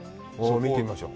見てみましょう。